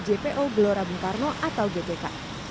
jpo gelora bung karno atau gbk